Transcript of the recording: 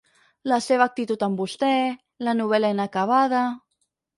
La seva actitud amb vostè, la novel·la inacabada...